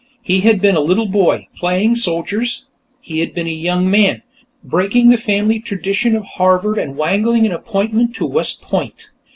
He had been a little boy, playing soldiers. He had been a young man, breaking the family tradition of Harvard and wangling an appointment to West Point.